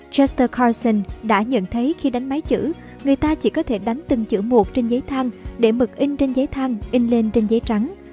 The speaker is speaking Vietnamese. custer concean đã nhận thấy khi đánh máy chữ người ta chỉ có thể đánh từng chữ một trên giấy thang để mực in trên giấy thang in lên trên giấy trắng